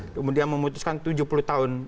kemudian memutuskan tujuh puluh tahun